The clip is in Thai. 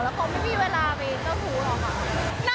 เขาไม่มีเวลาไปเจ้าชู้หรอกค่ะ